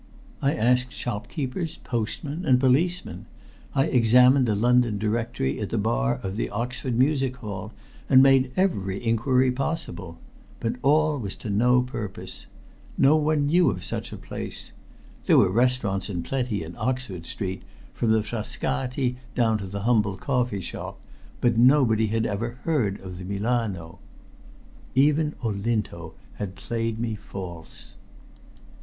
I asked shopkeepers, postmen, and policemen; I examined the London Directory at the bar of the Oxford Music Hall, and made every inquiry possible. But all was to no purpose. No one knew of such a place. There were restaurants in plenty in Oxford Street, from the Frascati down to the humble coffeeshop, but nobody had ever heard of the "Milano." Even Olinto had played me false!